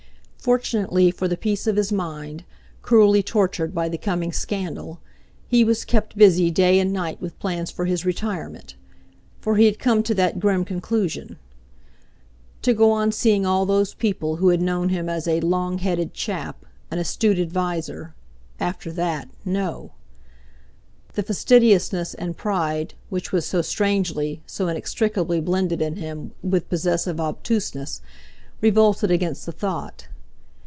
Fortunately for the peace of his mind, cruelly tortured by the coming scandal, he was kept busy day and night with plans for his retirement—for he had come to that grim conclusion. To go on seeing all those people who had known him as a "long headed chap," an astute adviser—after that—no! The fastidiousness and pride which was so strangely, so inextricably blended in him with possessive obtuseness, revolted against the thought.